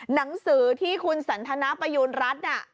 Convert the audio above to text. นังสือที่คุณสันทนาปยุรัติน่ะ